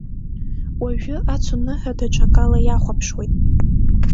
Уажәы ацуныҳәа даҽакала иахәаԥшуеит.